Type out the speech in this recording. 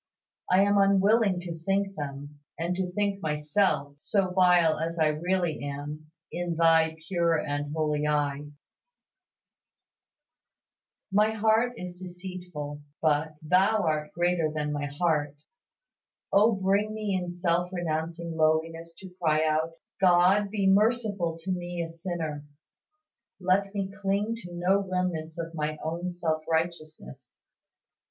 I am unwilling to think them, and to think myself, so vile as I really am, in Thy pure and holy eye. My heart is deceitful; but "Thou art greater than my heart." Oh bring me in self renouncing lowliness to cry out, "God be merciful to me a sinner." Let me cling to no remnants of my own self righteousness.